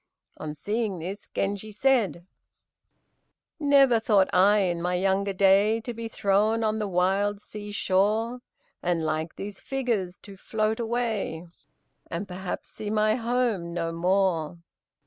On seeing this Genji said, "Never thought I, in my younger day, To be thrown on the wild sea shore, And like these figures to float away, And perhaps see my home no more."